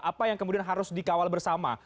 apa yang kemudian harus dikawal bersama